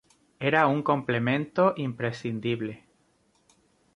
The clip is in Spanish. Era un complemento imprescindible.